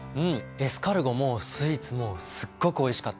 エスカルゴもスイーツもすっごくおいしかった。